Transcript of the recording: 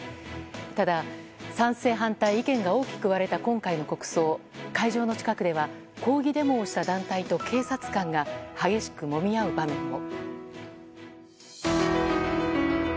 ただ、賛成、反対意見が大きく割れた今回の国葬会場の近くでは抗議デモをした団体と警察官が激しくもみ合う場面も。